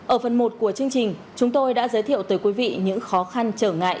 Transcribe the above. ở phần một của chương trình chúng tôi đã giới thiệu tới quý vị những khó khăn trở ngại